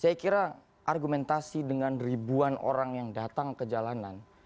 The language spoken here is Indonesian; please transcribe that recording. saya kira argumentasi dengan ribuan orang yang datang ke jalanan